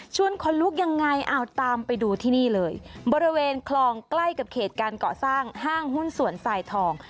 คนลุกยังไงเอาตามไปดูที่นี่เลยบริเวณคลองใกล้กับเขตการก่อสร้างห้างหุ้นสวนสายทอง